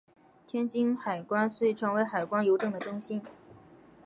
天津海关遂成为海关邮政的中心。